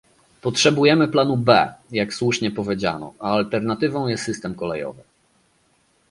Potrzebujemy planu B, jak słusznie powiedziano, a alternatywą jest system kolejowy